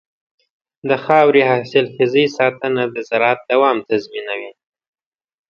د خاورې حاصلخېزۍ ساتنه د زراعت دوام تضمینوي.